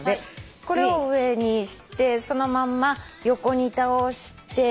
これを上にしてそのまんま横に倒して。